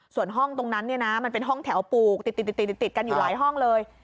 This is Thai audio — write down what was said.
ส่วนห้องตรงนั้นเนี่ยนะมันเป็นห้องแถวปลูกติดกันอยู่หลายห้องเลย